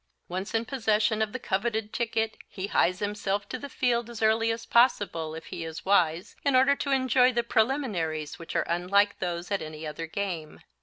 Once in possession of the coveted ticket he hies himself to the field as early as possible, if he is wise, in order to enjoy the preliminaries which are unlike those at any other game.